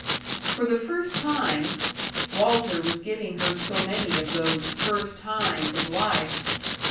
For the first time Walter was giving her so many of those First Times of life!